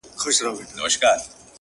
• چي له وېري راوتای نه سي له کوره,